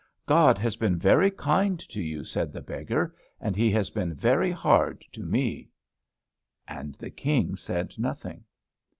"God has been very kind to you," said the beggar; "and He has been very hard to me." And the King said nothing.